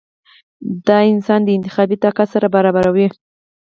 د انسان د انتخابي طاقت سره برابروې ؟